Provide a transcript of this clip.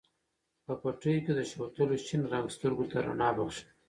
په پټیو کې د شوتلو شین رنګ سترګو ته رڼا بښي.